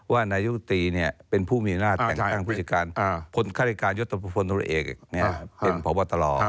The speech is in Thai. ว่านายุตีเป็นผู้มีหน้าแต่งตั้งพิจารณ์ข้าริการยศพลภนธุรกิจเอกเป็นพบต